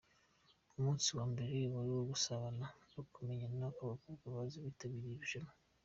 Umunsi wa mbere wari uwo gusabana no kumenyana kw'abakobwa bose bitabiriye iri rushanwa.